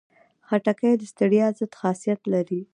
خټکی د ستړیا ضد خاصیت لري.